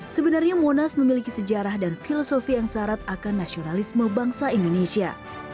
sebenarnya monas memiliki sejarah dan filosofi yang syarat akan nasionalisme bangsa indonesia